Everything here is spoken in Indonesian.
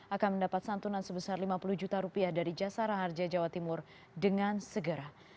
akan mendapat santunan sebesar lima puluh juta rupiah dari jasara harja jawa timur dengan segera